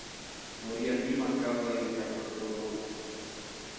Morì a Lima a causa di un Cancro polmonare.